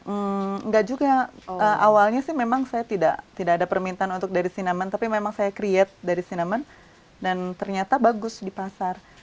enggak juga awalnya sih memang saya tidak ada permintaan untuk dari cinema tapi memang saya create dari cinema dan ternyata bagus di pasar